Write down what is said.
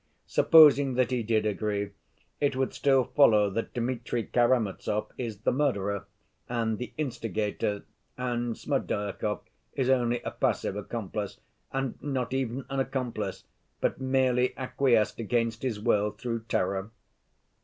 Supposing that he did agree, it would still follow that Dmitri Karamazov is the murderer and the instigator, and Smerdyakov is only a passive accomplice, and not even an accomplice, but merely acquiesced against his will through terror.